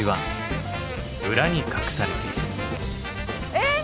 えっ？